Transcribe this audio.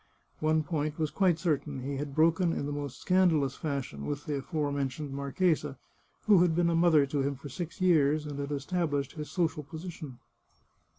One point was quite certain — he had broken in the most scandalous fashion with the aforementioned mar chesa, who had been a mother to him for six years, and had established his social position.